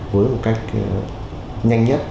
với một cách nhanh nhất